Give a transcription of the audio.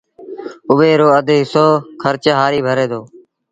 اُئي رو اڌ هسو کرچ هآريٚ ڀري دو